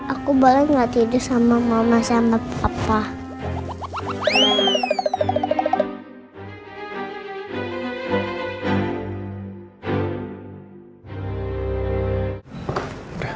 aku boleh gak tidur sama mama sama papa